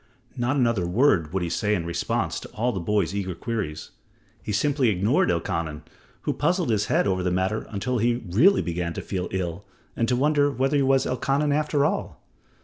Not another word would he say in response to all the boy's eager queries. He simply ignored Elkanan who puzzled his head over the matter until he really began to feel ill and to wonder whether he was Elkanan after all.